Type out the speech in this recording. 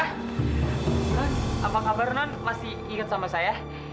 hah apa kabar non masih ikut sama saya